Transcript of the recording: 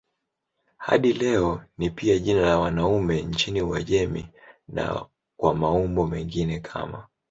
Hadi leo ni pia jina la wanaume nchini Uajemi na kwa maumbo mengine kama